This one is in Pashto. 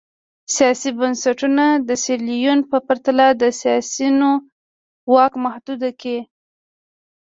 سیاسي بنسټونه د سیریلیون په پرتله د سیاسیونو واک محدود کړي.